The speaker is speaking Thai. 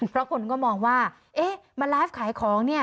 เพราะคนก็มองว่าเอ๊ะมาไลฟ์ขายของเนี่ย